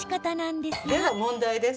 では、問題です。